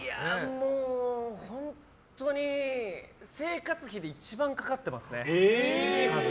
もう本当に生活費で一番かかってますね。